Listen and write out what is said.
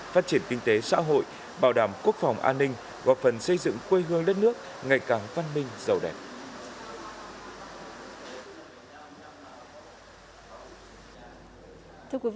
phát triển kinh tế xã hội bảo đảm quốc phòng an ninh góp phần xây dựng quê hương đất nước ngày càng văn minh giàu đẹp